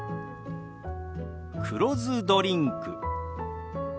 黒酢ドリンク。